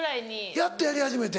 やっとやり始めて。